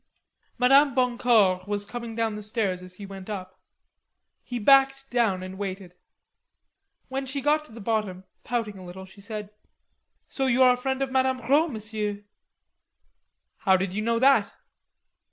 Madame Boncour was coming down the stairs as he went up. He backed down and waited. When she got to the bottom, pouting a little, she said: "So you are a friend of Mme. Rod, Monsieur?" "How did you know that?"